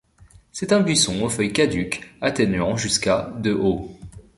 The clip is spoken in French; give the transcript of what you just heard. C'est un buisson aux feuilles caduques atteignant jusqu'à de haut.